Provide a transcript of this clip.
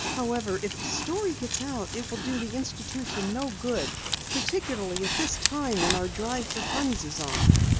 However, if the story gets out it will do the institution no good particularly at this time when our drive for funds is on."